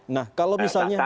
nah kalau misalnya